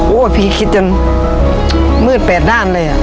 โหเขดคิดจนมืดแปดด้านเลยอ่ะ